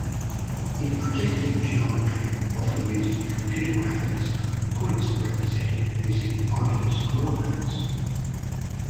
In projective geometry, often used in computer graphics, points are represented using homogeneous coordinates.